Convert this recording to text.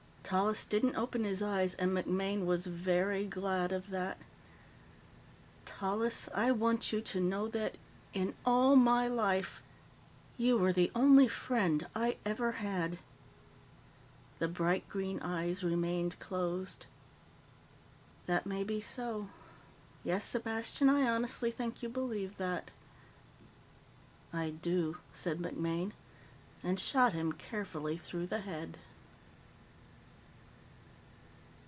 Tallis didn't open his eyes, and MacMaine was very glad of that. "Tallis, I want you to know that, in all my life, you were the only friend I ever had." The bright green eyes remained closed. "That may be so. Yes, Sepastian, I honestly think you believe that." "I do," said MacMaine, and shot him carefully through the head.